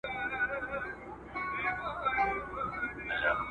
موږ باید له خپلو ټولګیوالو سره مرسته وکړو.